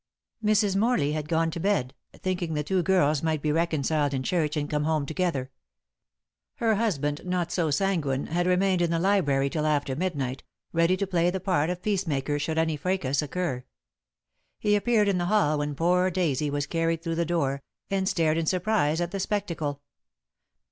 Mrs. Morley had gone to bed, thinking the two girls might be reconciled in church and come home together. Her husband, not so sanguine, had remained in the library till after midnight, ready to play the part of peace maker should any fracas occur. He appeared in the hall when poor dead Daisy was carried through the door, and stared in surprise at the spectacle.